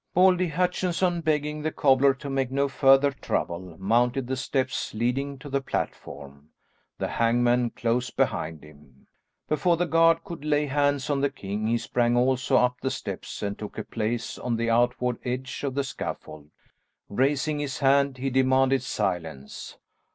Baldy Hutchinson, begging the cobbler to make no further trouble, mounted the steps leading to the platform, the hangman close behind him. Before the guard could lay hands on the king, he sprang also up the steps, and took a place on the outward edge of the scaffold. Raising his hand, he demanded silence.